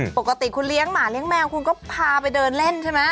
ปกติคุณเลี้ยงหมาเลี้ยแมวคุณก็พาไปเดินเล่นใช่ไหม